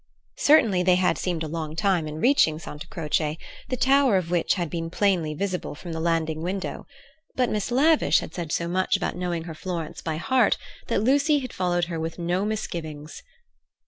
Certainly they had seemed a long time in reaching Santa Croce, the tower of which had been plainly visible from the landing window. But Miss Lavish had said so much about knowing her Florence by heart, that Lucy had followed her with no misgivings.